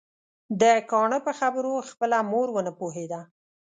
د کاڼه په خبرو خپله مور ونه پوهيده